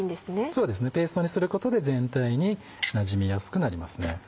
そうですねペーストにすることで全体になじみやすくなりますね。